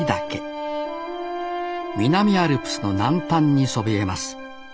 南アルプスの南端にそびえます。